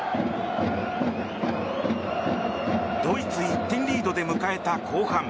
ドイツ１点リードで迎えた後半。